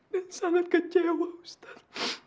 dan sangat kecewa ustaz